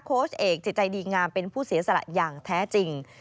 โค้ชเอกจิตใจดีงามเป็นผู้เสียสละอย่างแท้จริง